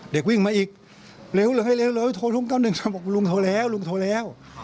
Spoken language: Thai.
เด็กวิ่งมาอีกเร็วเร็วเร็วโทรลุงต้อนึงพ่อหนูโทรแล้วลุงโทรแล้ว